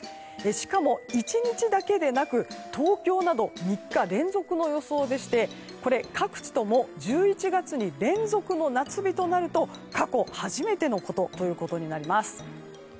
しかも、１日だけでなく東京など３日連続の予想でして、各地とも１１月に連続の夏日となると過去初めてのこととなります。